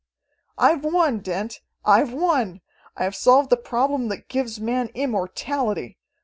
"I've won, Dent! I've won! I've solved the problem that gives man immortality!